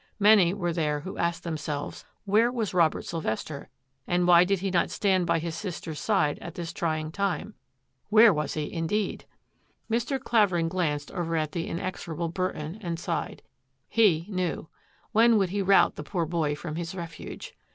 Many were there who asked themselves, " Where was Robert Sylvester and why did he not stand by his sister's side at this trying time ?" Where was he indeed? Mr. Clavering glanced over at the inexorable Burton and sighed. He knew. When would he rout the poor boy from his refuge?